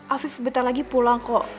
afif sebentar lagi pulang kok